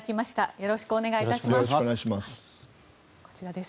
よろしくお願いします。